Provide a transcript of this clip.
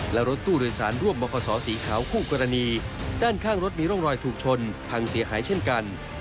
และรถตู้โดยสารร่วมบขสีขาวคู่กรณีด้านข้างรถมีร่องรอยถูกชนพังเสียหายเช่นกัน